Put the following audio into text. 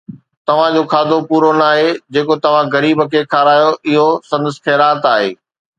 توهان جو کاڌو پورو ناهي، جيڪو توهان غريب کي کارايو اهو سندس خيرات آهي